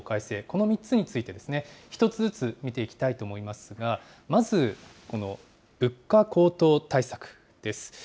この３つについてですね、１つずつ見ていきたいと思いますが、まず、この物価高騰対策です。